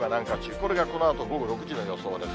これがこのあと午後６時の予想です。